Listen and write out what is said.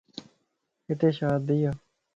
ھتي شادي ا